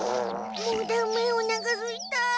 もうダメおなかすいた。